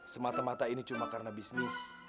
semata mata ini cuma karena bisnis